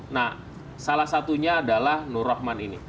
nah salah satunya adalah nur rahman ini